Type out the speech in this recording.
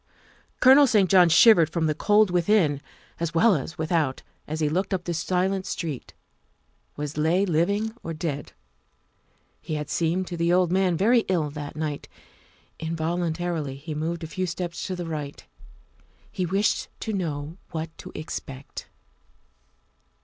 Colonel St. John shivered from the cold within as THE SECRETARY OF STATE 275 well as without as he looked up the silent street. Was Leigh living or dead? He had seemed to the old man very ill that night. Involuntarily he moved a few steps to the right ; he wished to know what to expect.